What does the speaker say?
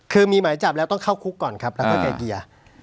คือมีหมายจับแล้วต้องเข้าคุกก่อนครับแล้วเข้าใจเกลี่ย